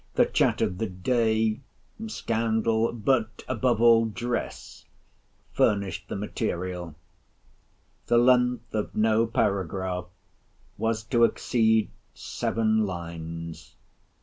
The chat of the day, scandle, but, above all, dress, furnished the material. The length of no paragraph was to exceed seven lines.